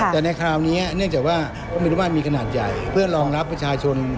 แต่ในคราวนี้เนื่องจากว่าพระเมรุมาตรมีขนาดใหญ่เพื่อรองรับประชาชน